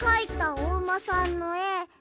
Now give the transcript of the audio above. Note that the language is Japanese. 「おうまさんのえ」